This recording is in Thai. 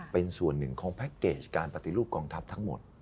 เป็นส่วนหนึ่งของแพ็คเกจการปฏิรูปกองทัพทั้งหมด